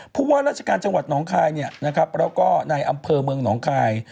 ผู้ว่าราชการจังหวัดหนองคายแล้วก็ในอำเภอเมืองหนองคาย